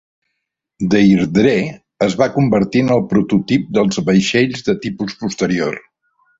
"Deirdre" es va convertir en el prototip dels vaixells de tipus posterior.